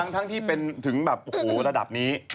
ทั้งที่เป็นถึงระดับนี้